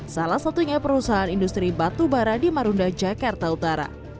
salah satunya perusahaan industri batubara di marunda jakarta utara